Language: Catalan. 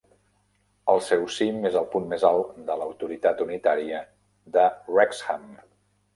El seu cim és el punt més alt de l'autoritat unitària de Wrexham.